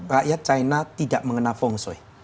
rakyat china tidak mengenal feng shui